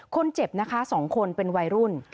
คนเจ็บนะคะ๒คนเป็นวัยรุ่น